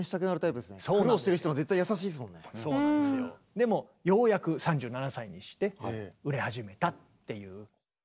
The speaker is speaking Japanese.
でもようやく３７歳にして売れ始めたっていう。